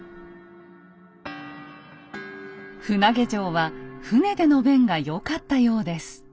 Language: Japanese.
船上城は船での便が良かったようです。